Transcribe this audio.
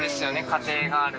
家庭があると。